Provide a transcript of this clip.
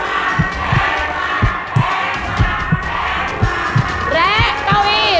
แพงกว่าแพงกว่าแพงกว่าแพงกว่าแพงกว่า